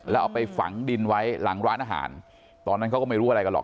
แล้วเอาไปฝังดินไว้หลังร้านอาหารตอนนั้นเขาก็ไม่รู้อะไรกันหรอก